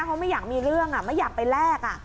เขาไม่อยากมีเรื่องไม่อยากไปแลก